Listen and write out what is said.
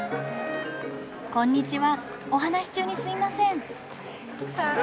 こんにちはお話し中にすいません。